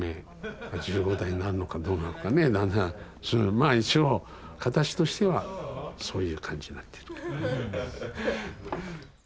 まあ一応形としてはそういう感じになってるけどね。